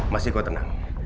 masih kau tenang